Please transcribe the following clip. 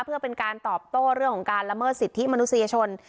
เพื่อเป็นการตอบโต้เรื่องของการละเมิดสิทธิมนุษยชน